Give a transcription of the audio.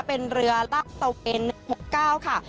เป็นเรือลาวตะเวน๑๖๙ค่ะ